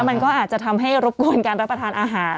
มันก็อาจจะทำให้รบกวนการรับประทานอาหาร